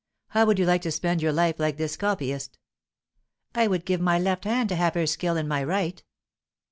How would you like to spend your life like this copyist?" "I would give my left hand to have her skill in my right."